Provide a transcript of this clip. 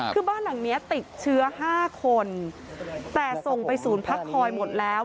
คือบ้านหลังนี้ติดเชื้อ๕คนแต่ส่งไปศูนย์พักคอยหมดแล้ว